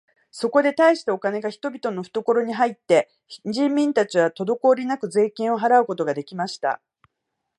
そこで大したお金が人々のふところに入って、人民たちはとどこおりなく税金を払うことが出来ました。